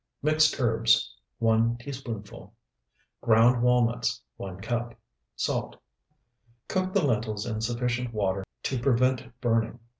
Mixed herbs, 1 teaspoonful. Ground walnuts, 1 cup. Salt. Cook the lentils in sufficient water to prevent burning.